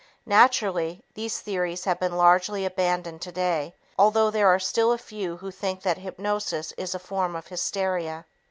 Naturally, these theories have been largely abandoned today, although there are still a few who think that hypnosis is a form of hysteria.